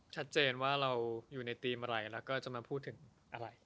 ชัดเจนว่าเราอยู่ในทีมอะไรแล้วก็จะมาพูดถึงอะไร